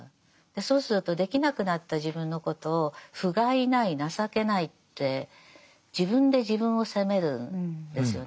そうするとできなくなった自分のことをふがいない情けないって自分で自分を責めるんですよね。